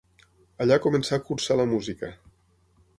Allà començà a cursar la música.